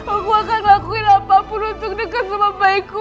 aku akan lakuin apapun untuk dekat sama bayiku